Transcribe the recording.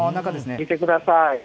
見てください。